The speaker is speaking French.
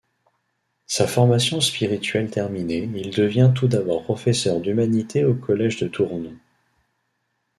Sa formation spirituelle terminée il devient tout d'abord professeur d'humanités au collège de Tournon.